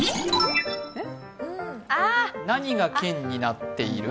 何が県になっている？